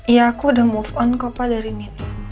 iya aku udah move on kok pak dari nino